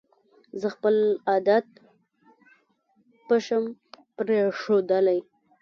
زه خپل عادت پشم پرېښودلې